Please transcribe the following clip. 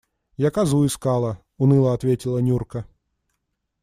Я козу искала, – уныло ответила Нюрка.